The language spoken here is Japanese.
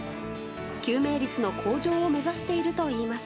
救命率の向上を目指しているといいます。